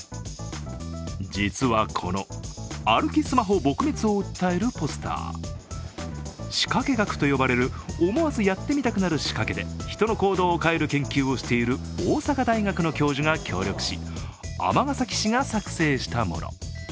実は、この歩きスマホ撲滅を訴えるポスター仕掛学と呼ばれる、思わずやってみたくなる仕掛けで人の行動を変える研究をしている大阪大学の教授が協力し尼崎市が作成したもの。